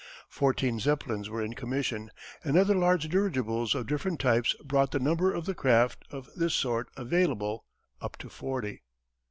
Fourteen Zeppelins were in commission, and other large dirigibles of different types brought the number of the craft of this sort available up to forty.